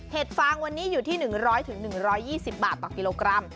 ฟางวันนี้อยู่ที่๑๐๐๑๒๐บาทต่อกิโลกรัม